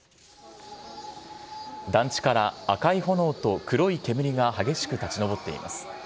団地から赤い炎と黒い煙が激しく立ち上っています。